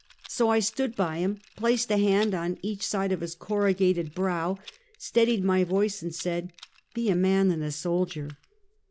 " So I stood by him, placed a hand on each side of his corrugated brow, steadied my voice and said :" Be a man and a soldier!